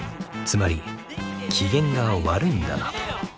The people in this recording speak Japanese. つまり機嫌が悪いんだなと。